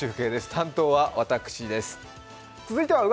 担当は私です。